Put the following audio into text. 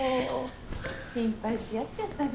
心配し合っちゃったね。